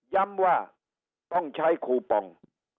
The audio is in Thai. ย้ำว่าต้องใช้คูปอง